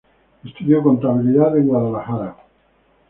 Estudió contabilidad en Guadalajara.